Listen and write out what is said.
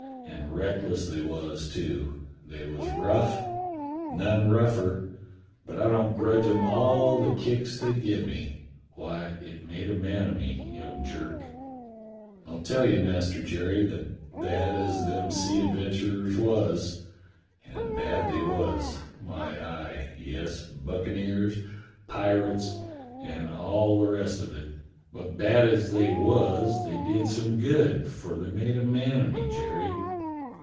And reckless they was, too. They was rough — none rougher; but I don't grudge 'em all the kicks they give me. Why, it made a man o' me, young Jerk. I tell you. Master Jerry, that bad as them sea adventurers was, and bad they was — my eye — yes, buccaneers, pirates, and all the rest of it — but bad as they was they did some good, for they made a man o' me, Jerry.